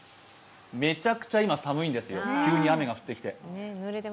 めちゃくちゃ今、寒いんですよ、急に雨が降ってきて。